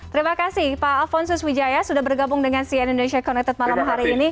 terima kasih pak alfon sus wijaya sudah bergabung dengan cn indonesia connected malam hari ini